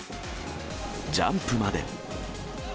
ジャンプまで。